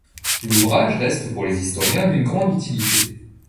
L'ouvrage reste pour les historiens d'une grande utilité.